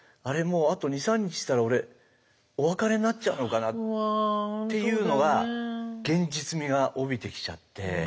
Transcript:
もうあと２３日したら俺お別れになっちゃうのかなっていうのは現実味が帯びてきちゃって。